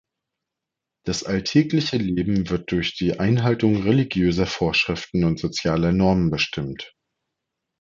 Das alltägliche Leben wird durch die Einhaltung religiöser Vorschriften und sozialer Normen bestimmt.